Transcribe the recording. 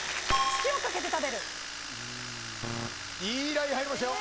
ライン入りましたよ。